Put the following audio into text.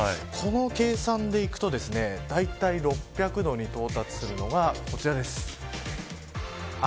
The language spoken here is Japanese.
この計算でいくとだいたい６００度に到達するのがこちらです。